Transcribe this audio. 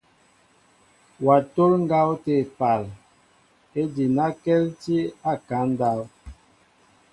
Wa tol ŋgaw ate épaal ejinaŋkɛltinɛ a ekaŋ ndáw.